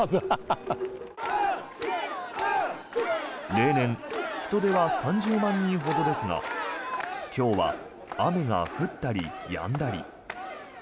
例年、人出は３０万人ほどですが今日は雨が降ったりやんだり。